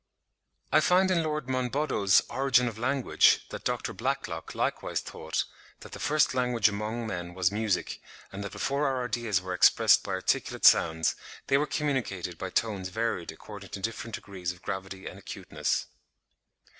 (40. I find in Lord Monboddo's 'Origin of Language,' vol. i. 1774, p. 469, that Dr. Blacklock likewise thought "that the first language among men was music, and that before our ideas were expressed by articulate sounds, they were communicated by tones varied according to different degrees of gravity and acuteness.")